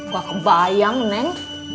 gua kebayang neng